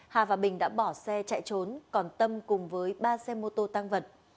hà và bình đã bỏ xe chạy trốn còn tâm cùng với ba xe mô tô tăng vật